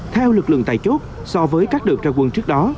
theo lực lượng tại chốt so với các đợt ra quân trước đó